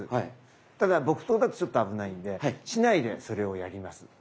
ただ木刀だとちょっと危ないんで竹刀でそれをやります。